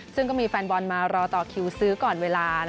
ซึ่งก็มีแฟนบอลมารอต่อคิวซื้อก่อนเวลา